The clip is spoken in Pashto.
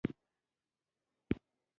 دوی د مهیندرا پراتاپ په غوښتنه خوشي شول.